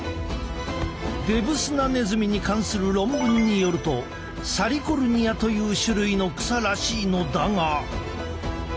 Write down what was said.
デブスナネズミに関する論文によるとサリコルニアという種類の草らしいのだが。